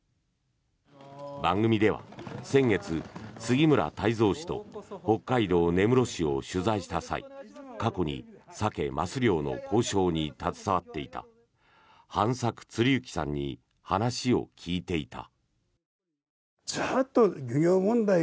番組では先月、杉村太蔵氏と北海道根室市を取材した際過去にサケ・マス漁の交渉に携わっていた飯作鶴幸さんに話を聞いていた。